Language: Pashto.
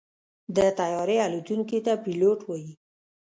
د طیارې الوتونکي ته پيلوټ وایي.